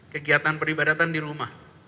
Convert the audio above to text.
kegiatan peribadatan di rumah